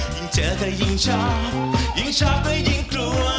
ยิ่งเจอก็ยิ่งชอบยิ่งชอบก็ยิ่งกลัว